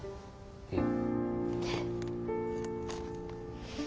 うん。